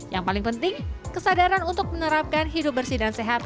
yang paling penting kesadaran untuk menerapkan hidup bersih dan sehat